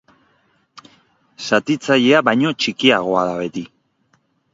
Zatitzailea baino txikiagoa da beti.